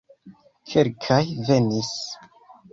Kelkaj venis.